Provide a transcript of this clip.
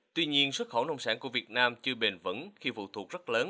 tuy nhiên xuất khẩu nông sản của việt nam chưa bền vững khi phụ thuộc rất lớn